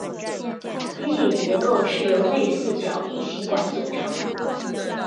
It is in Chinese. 机翼结构是由内四角异型管组成。